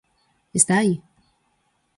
¿Está aí?